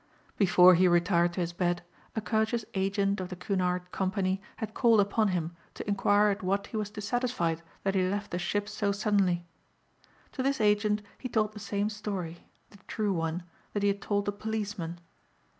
Before he retired to his bed a courteous agent of the Cunard Company had called upon him to inquire at what he was dissatisfied that he left the ship so suddenly. To this agent he told the same story the true one that he had told the policeman.